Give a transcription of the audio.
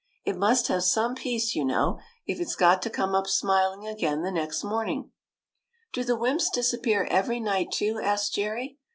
It must have some peace, you know, if it 's got to come up smiling again the next morning." " Do the wymps disappear every night, too ?" asked Jerry.